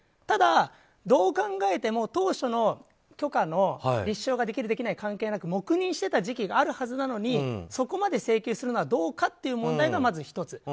ただ、どう考えても当初の許可の立証ができるできない関係なく黙認してた時期があるはずなのにそこまで請求するのはどうかという問題がまず１つ。